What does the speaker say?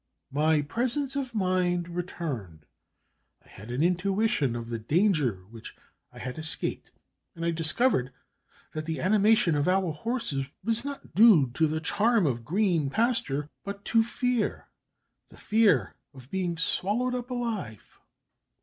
My presence of mind returned; I had an intuition of the danger which I had escaped, and I discovered that the animation of our horses was not due to the charm of green pasture, but to fear, the fear of being swallowed up alive.